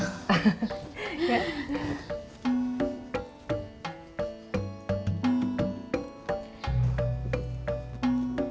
oh ya udah